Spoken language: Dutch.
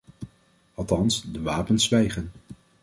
Althans, de wapens zwijgen.